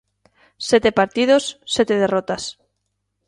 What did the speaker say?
Sete partidos, sete derrotas.